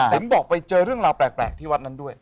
เห็นบอกไปเจอเรื่องราวแปลกที่วัดนั้นด้วย